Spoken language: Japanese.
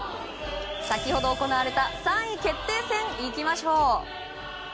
先ほど行われた３位決定戦いきましょう。